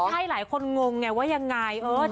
มีหลายคนงงว่ายังไง